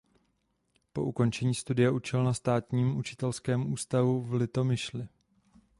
Po ukončení studia učil na Státním učitelském ústavu v Litomyšli.